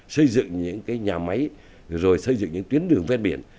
xây dựng những nhà máy rồi xây dựng những tuyến đường ven biển